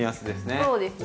そうですね。